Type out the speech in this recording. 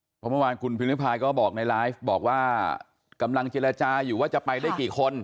เพราะเมื่อวานคุณพิมริพายก็บอกในไลฟ์บอกว่ากำลังเจรจาอยู่ว่าจะไปได้กี่คน